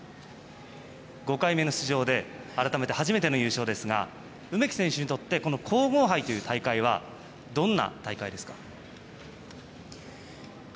５回目の出場で改めて初めての優勝ですが梅木選手にとって皇后杯という大会はどんな大会ですか？